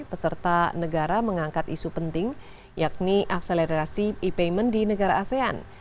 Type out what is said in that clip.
peserta negara mengangkat isu penting yakni akselerasi e payment di negara asean